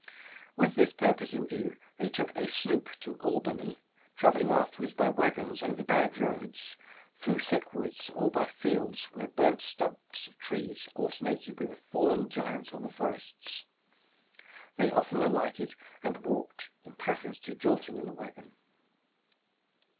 With this purpose in view, they took a sloop to Albany, traveling afterward by wagons over bad roads, through thick woods, or by fields where burnt stumps of trees alternated with the fallen giants of the forests. They often alighted and walked in preference to jolting in the wagon.